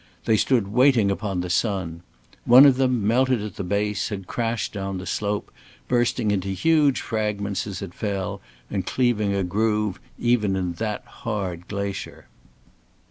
They stood waiting upon the sun. One of them, melted at the base, had crashed down the slope, bursting into huge fragments as it fell, and cleaving a groove even in that hard glacier.